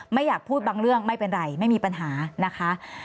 ไม่อยากพูดบางเรื่องไม่เป็นไรไม่มีปัญหานะคะ